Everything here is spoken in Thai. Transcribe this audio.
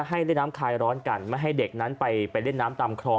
ให้เล่นน้ำคลายร้อนกันไม่ให้เด็กนั้นไปเล่นน้ำตามคลอง